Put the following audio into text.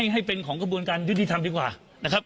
ให้เป็นของกระบวนการยุติธรรมดีกว่านะครับ